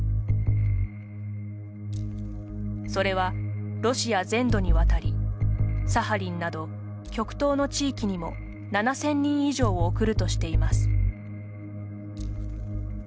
それは、ロシア全土にわたりサハリンなど極東の地域にも７０００人以上を送るとしています。